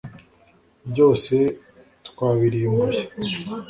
byose twabirimbuye